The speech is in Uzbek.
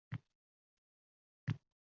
Moliya vaziriga o‘rinbosar tayinlandi